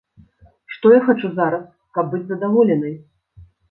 Што я хачу зараз, каб быць задаволенай?